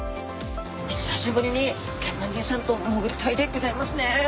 久しぶりにケンマ兄さんと潜りたいでギョざいますね。